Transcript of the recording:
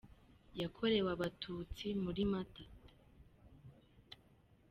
yakorewe abatutsi muri Mata.